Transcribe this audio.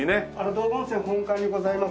道後温泉本館にございます